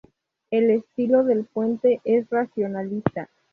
El estilo del puente es racionalista.